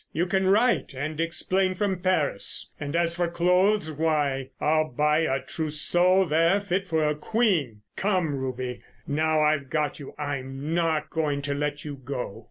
You can write and explain from Paris. And as for clothes, why, I'll buy a trousseau there fit for a queen. Come, Ruby, now I've got you I'm not going to let you go."